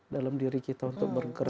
dalam diri kita untuk bergerak